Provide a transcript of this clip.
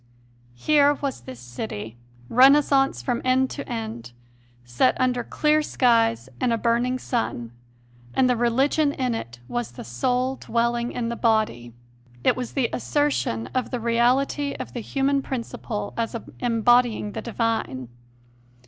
Here was this city, Renaissance from end to end, set under clear skies and a burning sun; and the religion in it was the soul dwelling in the body. It was the assertion of the reality of the human prin ciple as embodying the divine.